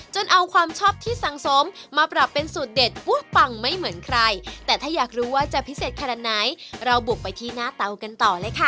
จนเอาความชอบที่สังสมมาปรับเป็นสูตรเด็ดอ้วปังไม่เหมือนใครแต่ถ้าอยากรู้ว่าจะพิเศษขนาดไหนเราบุกไปที่หน้าเตากันต่อเลยค่ะ